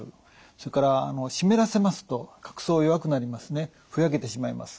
それから湿らせますと角層弱くなりますねふやけてしまいます。